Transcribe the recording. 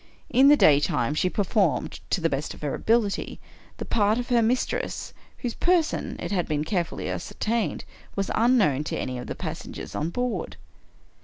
In the daytime she performed, to the best of her ability, the part of her mistress — whose person, it had been carefully ascertained, was unknown to any of the pas sengers on board.